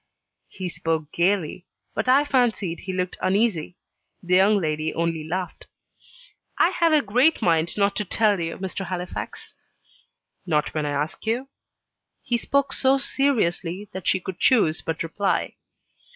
He spoke gaily; but I fancied he looked uneasy. The young lady only laughed. "I have a great mind not to tell you, Mr. Halifax." "Not when I ask you?" He spoke so seriously that she could choose but reply.